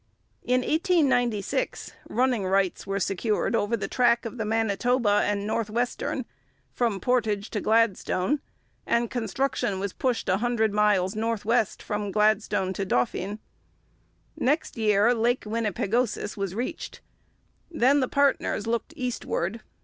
In 1896 running rights were secured over the track of the Manitoba and Northwestern from Portage to Gladstone, and construction was pushed a hundred miles northwest from Gladstone to Dauphin. Next year Lake Winnipegosis was reached. Then the partners looked eastward.